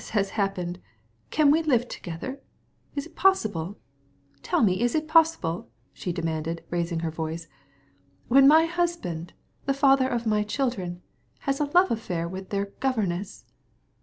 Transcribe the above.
has happened, can we live together? Is that possible? Tell me, eh, is it possible?" she repeated, raising her voice, "after my husband, the father of my children, enters into a love affair with his own children's governess?"